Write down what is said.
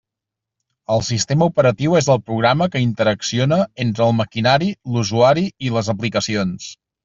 El sistema operatiu és el programa que interacciona entre el maquinari, l'usuari i les aplicacions.